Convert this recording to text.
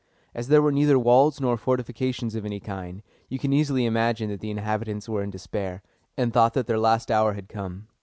As there were neither walls nor fortifications of any kind, you can easily imagine that the inhabitants were in despair, and thought that their last hour had come.